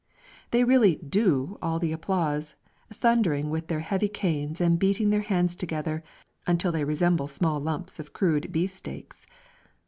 They really "do" all the applause, thundering with their heavy canes and beating their hands together until they resemble small lumps of crude beef steaks.